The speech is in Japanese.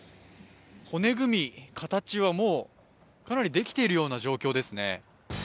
骨組み、形はもうかなりできているような状況ですね。